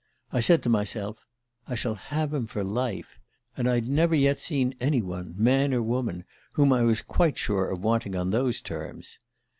I said to myself: 'I shall have him for life' and I'd never yet seen any one, man or woman, whom I was quite sure of wanting on those terms.